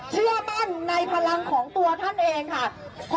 เชื่อมั่นในพลังของตัวท่านเองค่ะ